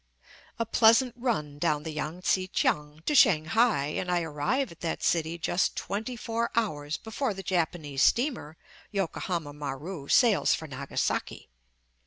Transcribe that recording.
A pleasant run down the Yang tsi kiang to Shanghai, and I arrive at that city just twenty four hours before the Japanese steamer, Yokohama Maru, sails for Nagasaki.